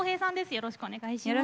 よろしくお願いします。